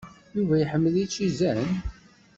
Yuba iḥemmel ičizen?